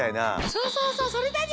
そうそうそうそれだにゃ！